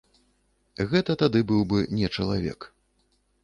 Гэта тады быў бы не чалавек.